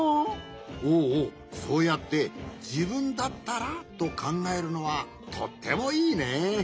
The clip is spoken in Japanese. おおそうやって「じぶんだったら」とかんがえるのはとってもいいね。